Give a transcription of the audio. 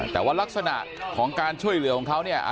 แต่ว่ารักษณะของการช่วยเหลือของเขาเนี่ย